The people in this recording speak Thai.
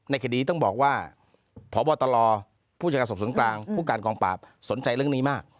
ในคดีต้องบอกว่าพบตลอร์ผู้จักรท่องศพสวนกองปราบสนใจเรื่องนี้มาก